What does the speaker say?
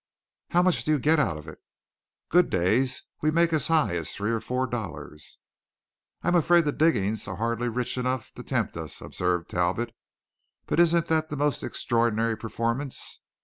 "How much do you get out of it?" "Good days we make as high as three or four dollars." "I'm afraid the diggings are hardly rich enough to tempt us," observed Talbot; "but isn't that the most extraordinary performance!